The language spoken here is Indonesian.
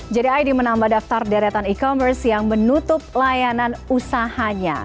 jadi id menambah daftar deretan e commerce yang menutup layanan usahanya